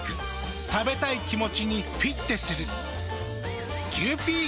食べたい気持ちにフィッテする。